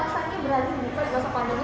apa sih alasannya berani buka di masa pandemi